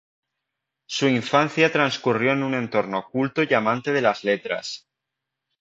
Su infancia transcurrió en un entorno culto y amante de las letras.